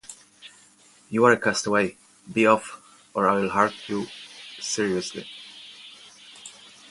You are a castaway — be off, or I’ll hurt you seriously!